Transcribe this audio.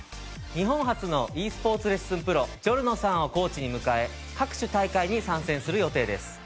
日本初のｅスポーツレッスンプロじょるのさんをコーチに迎え各種大会に参戦する予定です。